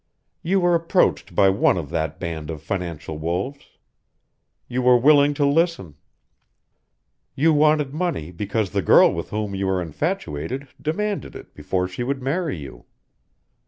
"You were approached by one of that band of financial wolves. You were willing to listen. You wanted money because the girl with whom you were infatuated demanded it before she would marry you.